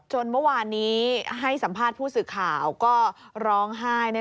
เมื่อวานนี้ให้สัมภาษณ์ผู้สื่อข่าวก็ร้องไห้